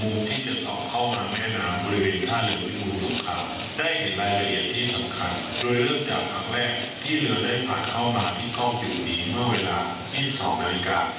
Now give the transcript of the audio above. เมื่อเวลาที่๒๒๓๔กล้องกำลังปิด